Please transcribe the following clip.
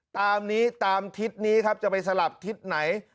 ตามนี้ตามทิศนี้ครับจะไปสลับทิศไหน